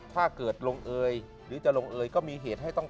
ถ้าเกิดลงเอยหรือจะลงเอยก็มีเหตุให้ต้อง